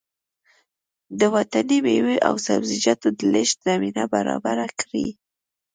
د وطني مېوو او سبزيجاتو د لېږد زمينه برابره کړي